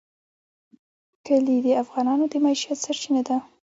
کلي د افغانانو د معیشت سرچینه ده.